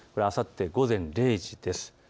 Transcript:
あさって午前０時です。